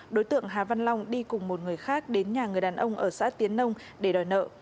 đối tượng hà văn long đi cùng một người khác đến nhà người đàn ông ở xã tiến nông để đòi nợ